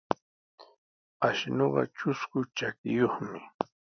Ashnuqa trusku trakiyuqmi.